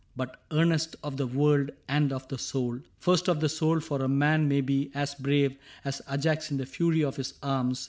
But earnest of the world and of the soul — First of the soul ; for a man may be as brave As Ajax in the fury of his arms.